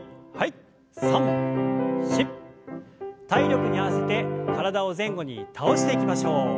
体力に合わせて体を前後に倒していきましょう。